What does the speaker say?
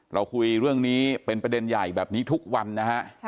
เราคุยเรื่องนี้เป็นประเด็นใหญ่แบบนี้ทุกวันนะฮะ